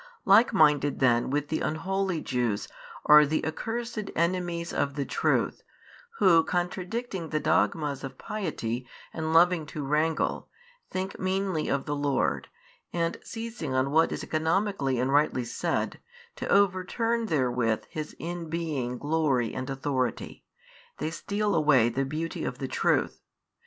Likeminded then with the unholy Jews are the accursed enemies of the Truth, who contradicting the dogmas of piety and loving to wrangle, think meanly of the Lord, and seizing on what is economically and rightly said, to overturn therewith His inbeing Glory and Authority, they steal away the Beauty of the Truth.